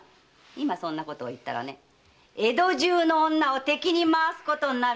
今そんなことを言ったら江戸中の女を敵にまわすことになるよ。